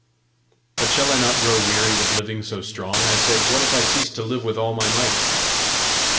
"But shall I not grow weary with living so strong?" I said. "What if I cease to live with all my might?"